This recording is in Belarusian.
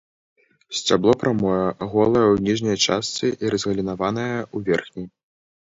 Сцябло прамое, голае ў ніжняй частцы і разгалінаванае ў верхняй.